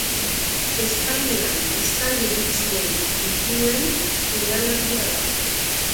Espainian biztanle gutxien dituen udalerria da.